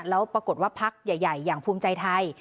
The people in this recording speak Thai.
แล้วปรากฏว่าพักใหญ่อย่างภูมิใจไทย